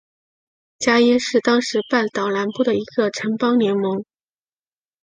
伽倻是当时半岛南部的一个城邦联盟。